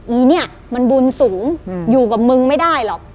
อีเนี่ยมันบุญสูงอยู่กับมึงไม่ได้หรอก